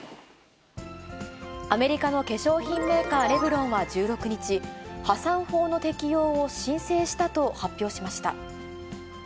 アメリカの化粧品メーカー、レブロンは１６日、破産法の適用を申請したと発表しました。